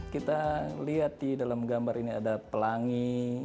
kita lihat di dalam gambar ini ada pelangi